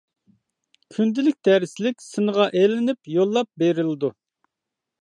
كۈندىلىك دەرسلىك سىنغا ئېلىنىپ يوللاپ بېرىلىدۇ.